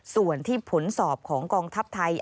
ส่วนที่ผลสอบของกองทัพไทย